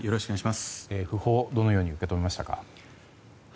訃報、どのように受け止めましたか？